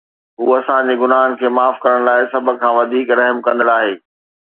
هو اسان جي گناهن کي معاف ڪرڻ لاء سڀ کان وڌيڪ رحم ڪندڙ آهي